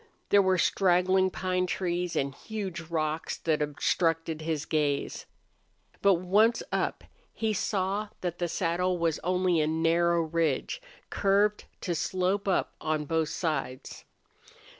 There were straggling pine trees and huge rocks that obstructed his gaze. But once up he saw that the saddle was only a narrow ridge, curved to slope up on both sides.